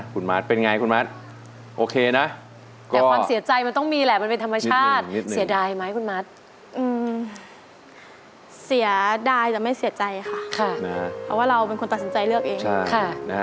คุณมาศเป็นอย่างไรคุณมาศโอเคนะ